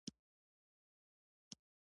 بدمرغي پیښی منځته راغلې.